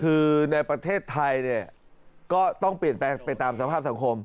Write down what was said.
คือในประเทศไทยเนี่ยก็ต้องเปลี่ยนแปลงไปตามสภาพสังคม